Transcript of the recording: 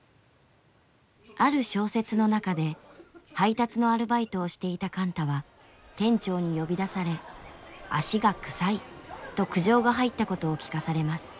ある小説の中で配達のアルバイトをしていた貫多は店長に呼び出され「足が臭い」と苦情が入ったことを聞かされます。